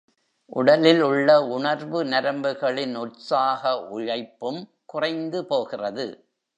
உடலில் உள்ள உணர்வு நரம்புகளின் உற்சாக உழைப்பும் குறைந்து போகிறது.